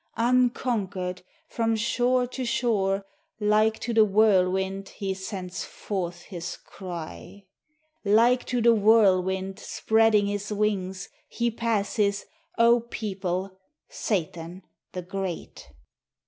unconquered, From shore to shore, Like to the whirlwind, He sends forth his cry. Like to the whirlwind Spreading his wings,... He passes, O people, Satan the great!